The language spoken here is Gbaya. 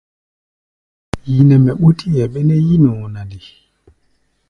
Yi nɛ mɛ ɓútí hɛ̧ɛ̧, bó nɛ́ yí-nɔɔ na nde?